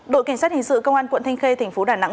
đội kinh sát hình sự công an quận thanh khê tp đà nẵng